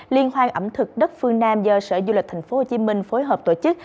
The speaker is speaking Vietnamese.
liên hoan ẩm thực đất phương nam do sở du lịch tp hcm phối hợp tổ chức